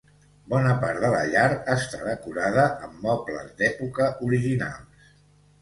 Bona part de la llar està decorada amb mobles d'època originals.